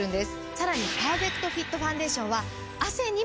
さらにパーフェクトフィットファンデーションは。